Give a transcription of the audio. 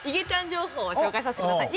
情報を紹介させてください。